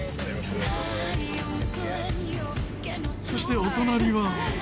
そしてお隣は。